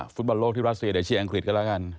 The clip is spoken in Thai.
ฟุตบอลโลกที่รัสเซียเดี๋ยวเชียร์อังกฤษกันแล้วกัน